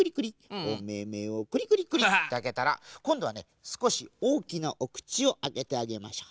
おめめをクリクリクリ！ってあけたらこんどはねすこしおおきなおくちをあけてあげましょう。